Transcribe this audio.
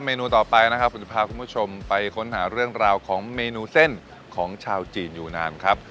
นูต่อไปนะครับผมจะพาคุณผู้ชมไปค้นหาเรื่องราวของเมนูเส้นของชาวจีนอยู่นานครับ